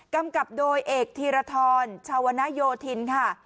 กำกับโดยเอกธีรทรชาวนโยธินค่ะ